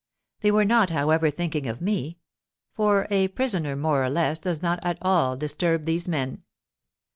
They were not, however, thinking of me; for a prisoner more or less does not at all disturb these men.